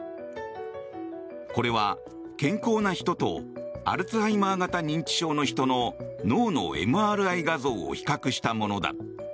これは、健康な人とアルツハイマー型認知症の人の脳のＭＲＩ画像を比較したものだ。